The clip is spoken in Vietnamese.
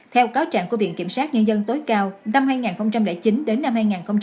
theo cáo trạng của viện kiểm sát nhân dân tối cao năm hai nghìn chín đến năm hai nghìn một mươi